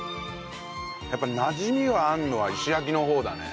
やっぱなじみがあるのは石焼きの方だね。